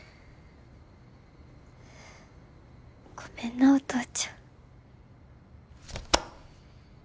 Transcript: ごめんなお父ちゃん。